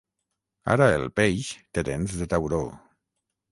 Ara el peix té dents de tauró.